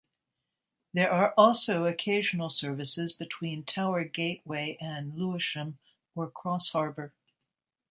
There are also occasional services between Tower Gateway and Lewisham or Crossharbour.